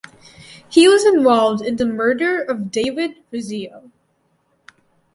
He was involved in the murder of David Rizzio.